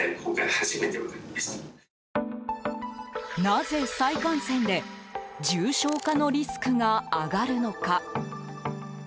なぜ、再感染で重症化のリスクが上がるのか。